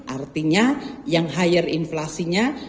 artinya yang hire inflasinya